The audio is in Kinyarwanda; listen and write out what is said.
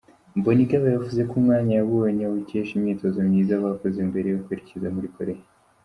Mbonigaba yavuze ko umwanya yabonye awukesha imyitozo myiza bakoze mbere yo kwerekeza muri Korea.